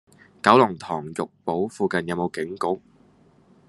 九龍塘珏堡附近有無警局？